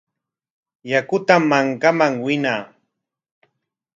Yakutam mankaman winaa.